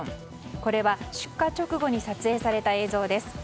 これは出火直後に撮影された映像です。